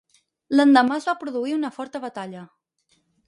L'endemà es va produir una forta batalla.